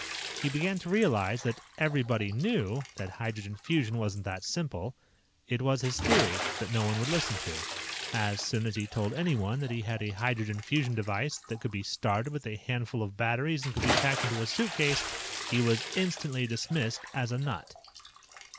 "He began to realize that 'everybody knew' that hydrogen fusion wasn't that simple. It was his theory that no one would listen to. As soon as he told anyone that he had a hydrogen fusion device that could be started with a handful of batteries and could be packed into a suitcase, he was instantly dismissed as a nut.